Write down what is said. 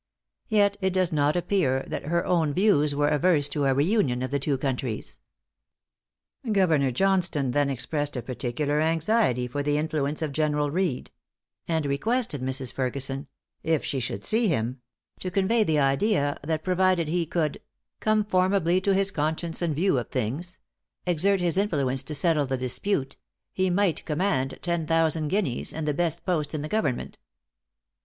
Yet it does not appear that her own views were averse to a re union of the two countries. Governor Johnstone then expressed a particular anxiety for the influence of General Reed; and requested Mrs. Ferguson, "if she should see him," to convey the idea, that provided he could, "com formably to his conscience and views of things," exert his influence to settle the dispute, "he might command ten thousand guineas, and the best post in the government."